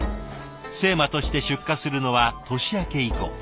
精麻として出荷するのは年明け以降。